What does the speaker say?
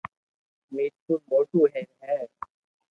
ميرپور موٽو ھير ھي